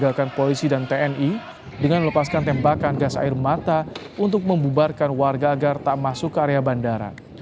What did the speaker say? digagalkan polisi dan tni dengan melepaskan tembakan gas air mata untuk membubarkan warga agar tak masuk ke area bandara